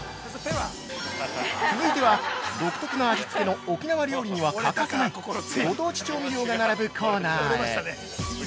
続いては、独特な味付けの沖縄料理には欠かせないご当地調味料が並ぶコーナーへ。